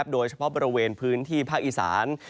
โดยเฉพาะบริเวณพื้นที่ภาคอีสาน